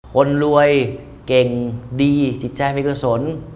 คนรวยเก่งดีจิตใจไม่กระสน